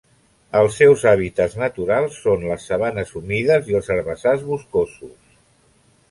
Els seus hàbitats naturals són les sabanes humides i els herbassars boscosos.